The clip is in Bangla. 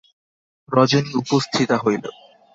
রজনী উপস্থিতা হইল।